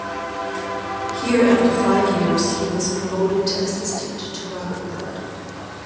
Here after five years he was promoted to Assistant to Robert Mallet.